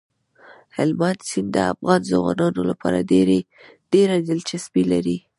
هلمند سیند د افغان ځوانانو لپاره ډېره دلچسپي لري.